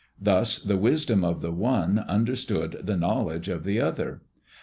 Thus the wisdom of the one understood the knowledge of the other.